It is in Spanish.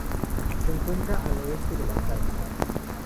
Se encuentra al oeste de la Antártida.